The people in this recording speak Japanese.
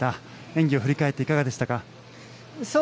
演技を振り返っていかがですか。